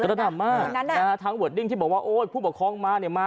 กระดำมากทั้งเวิร์ดดิ้งที่บอกว่าโอ๊ยผู้ปกครองมา